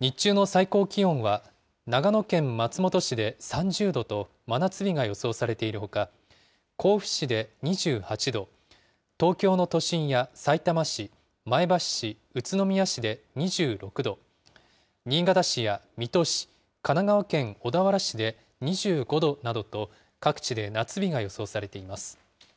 日中の最高気温は、長野県松本市で３０度と、真夏日が予想されているほか、甲府市で２８度、東京の都心やさいたま市、前橋市、宇都宮市で２６度、新潟市や水戸市、神奈川県小田原市で２５度などと、各地で夏日が予想されています。